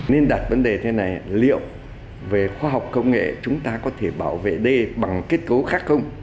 nên đặt vấn đề thế này liệu về khoa học công nghệ chúng ta có thể bảo vệ đê bằng kết cấu khác không